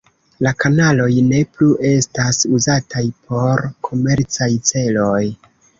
La kanaloj ne plu estas uzataj por komercaj celoj.